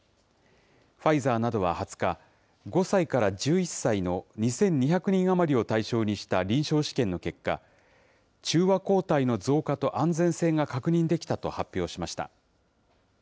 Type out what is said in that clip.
ファイザーなどは２０日、５歳から１１歳の２２００人余りを対象にした臨床試験の結果、中和抗体の増加と安全性が確認できたと発表しました。